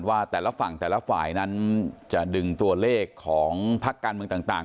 ว่าแต่ละฝั่งแต่ละฝ่ายนั้นจะดึงตัวเลขของพักการเมืองต่าง